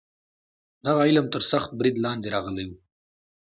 دغه علم تر سخت برید لاندې راغلی و.